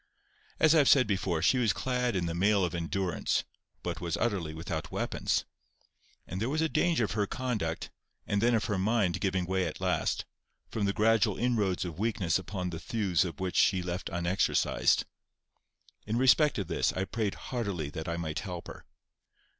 As I have said before, she was clad in the mail of endurance, but was utterly without weapons. And there was a danger of her conduct and then of her mind giving way at last, from the gradual inroads of weakness upon the thews which she left unexercised. In respect of this, I prayed heartily that I might help her.